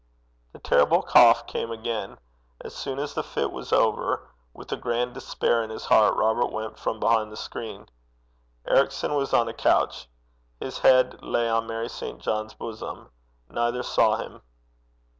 The terrible cough came again. As soon as the fit was over, with a grand despair in his heart, Robert went from behind the screen. Ericson was on a couch. His head lay on Mary St. John's bosom. Neither saw him.